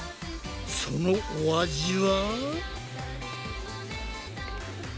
そのお味は？